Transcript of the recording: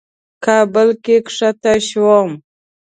کابل کې کښته شوم.